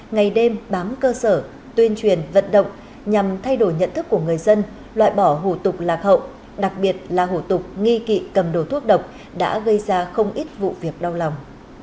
ngày đêm bám cơ sở tuyên truyền vận động nhằm thay đổi nhận thức của người dân loại bỏ hủ tục lạc hậu đặc biệt là hủ tục nghi kỵ cầm đồ thuốc độc đã gây ra không ít vụ việc đau lòng